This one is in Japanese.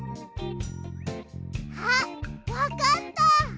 あっわかった！